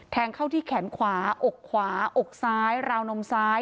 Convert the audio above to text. เข้าที่แขนขวาอกขวาอกซ้ายราวนมซ้าย